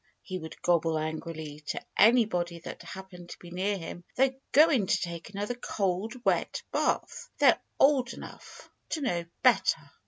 he would gobble angrily to anybody that happened to be near him. "They're going to take another cold, wet bath. They're old enough to know better.